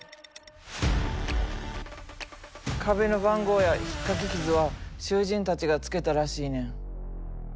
壁の番号やひっかき傷は囚人たちがつけたらしいねん。